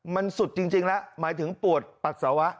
มันสุดจริงแล้วหมายถึงปวดปัสสาวะ